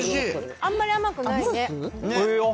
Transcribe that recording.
あんまり甘くないね。